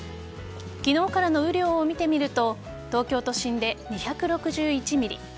昨日からの雨量を見てみると東京都心で２６１ｍｍ